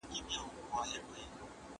بازارونه يې د انصاف پر بنسټ تنظيم کړل.